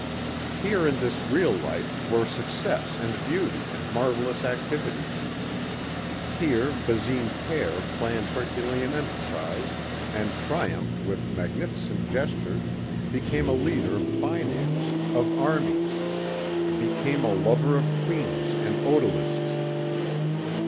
Here in this real life were success and beauty and marvelous activities. Here Basine père planned Herculean enterprise and triumphed with magnificent gestures, became a leader of finance, of armies; became a lover of queens and odalisques.